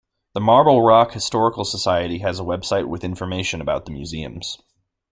The Marble Rock Historical Society has a website with information about the museums.